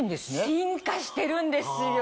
進化してるんですよ。